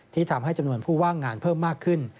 ทำให้จำนวนผู้ว่างงานเพิ่มมากขึ้น